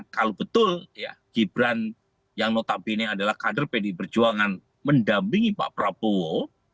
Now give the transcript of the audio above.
kalau betul ya gibran yang notabene adalah kader pdi perjuangan mendampingi pak prabowo